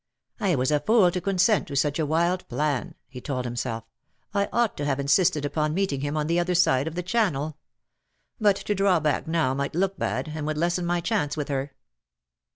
" I was a fool to consent to such a wild plan/^ he told himself. "^ I ought to have insisted upon meeting him on the other side of the Channel. But to draw back now might look bad_, and would lessen my chance with her.